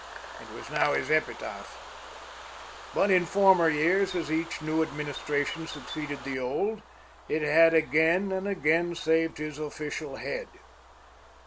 It was now his epitaph. But in former years, as each new administration succeeded the old, it had again and again saved his official head.